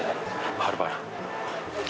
はるばる。